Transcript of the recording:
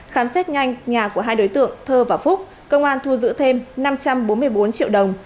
khám xét nhanh nhà của hai đối tượng thơ và phúc công an thu giữ thêm năm trăm bốn mươi bốn triệu đồng